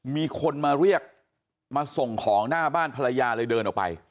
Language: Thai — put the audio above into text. มีคนมาเรียกมาส่งของหน้าบ้านภรรยาเลยเดินออกไป